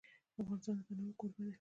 افغانستان د تنوع کوربه دی.